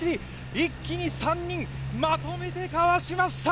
一気に３人、まとめてかわしました。